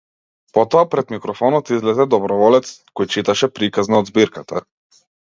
Потоа пред микрофонот излезе доброволец кој читаше приказна од збирката.